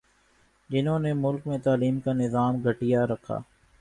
جہنوں نے ملک میں تعلیم کا نظام گٹھیا رکھا